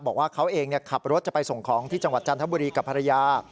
บอกว่าเขาเองขับรถจะไปส่งของที่จังหวัดจันทบุรีกับภรรยา